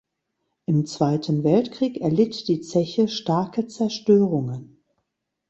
Im Zweiten Weltkrieg erlitt die Zeche starke Zerstörungen.